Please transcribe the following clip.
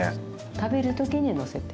食べる時にのせて。